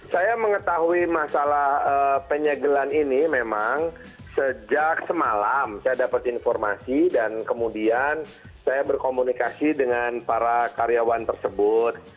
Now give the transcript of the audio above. saya mengetahui masalah penyegelan ini memang sejak semalam saya dapat informasi dan kemudian saya berkomunikasi dengan para karyawan tersebut